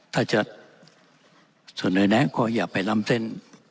ถ้าจะเสนอแนะก็อย่าไปล้ำเต้น